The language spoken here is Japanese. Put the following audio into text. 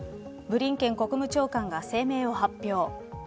ブリンケン国務長官が声明を発表。